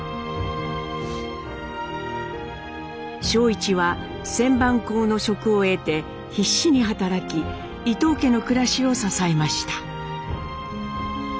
正一は旋盤工の職を得て必死に働き伊藤家の暮らしを支えました。